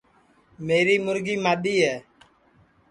میری مُرگی مادؔی ہے